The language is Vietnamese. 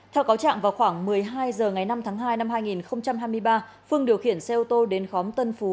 theo cáo trạng vào khoảng một mươi hai h ngày năm tháng hai năm hai nghìn hai mươi ba phương điều khiển xe ô tô đến khóm tân phú